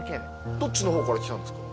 どっちの方から来たんですか？